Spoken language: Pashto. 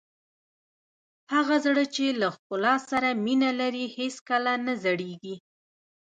هغه زړه چې له ښکلا سره مینه لري هېڅکله نه زړیږي.